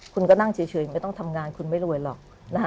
คุณก็นั่งเฉยไม่ต้องทำงานคุณไม่รวยหรอก